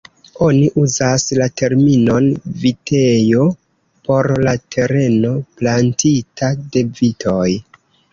Oni uzas la terminon vitejo por la tereno plantita de vitoj.